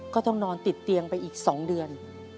ก็ต้องนอนติดเตียงไปอีก๒เดือน